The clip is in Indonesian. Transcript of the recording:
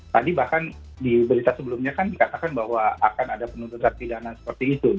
tadi bahkan di berita sebelumnya kan dikatakan bahwa akan ada penuntutan pidana seperti itu